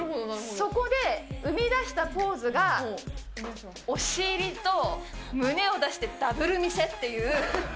そこで生み出したポーズが、お尻と胸を出して、ダブル見せっていう。